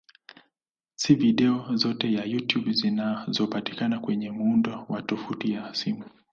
Si video zote za YouTube zinazopatikana kwenye muundo wa tovuti ya simu.